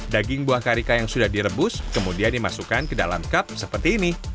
daging buah karika yang sudah direbus kemudian dimasukkan ke dalam cup seperti ini